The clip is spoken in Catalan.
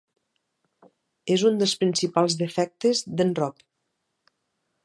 És un dels principals defectes de"n Rob.